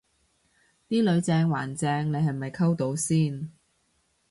啲女正還正你係咪溝到先